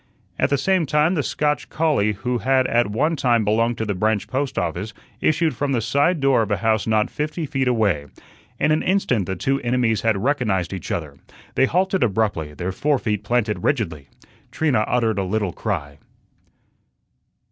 At the same moment the Scotch collie who had at one time belonged to the branch post office issued from the side door of a house not fifty feet away. In an instant the two enemies had recognized each other. They halted abruptly, their fore feet planted rigidly. Trina uttered a little cry.